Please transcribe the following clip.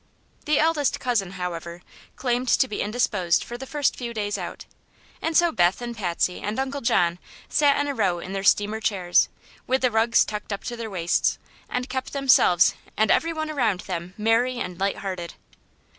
The eldest cousin, however, claimed to be indisposed for the first few days out, and so Beth and Patsy and Uncle John sat in a row in their steamer chairs, with the rugs tucked up to their waists, and kept themselves and everyone around them merry and light hearted.